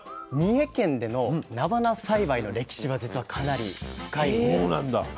三重県でのなばな栽培の歴史が実はかなり深いんです。